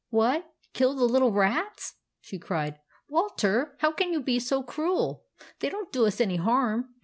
"What, kill the little rats?" she cried. " Walter, how can you be so cruel ? They don't do us any harm.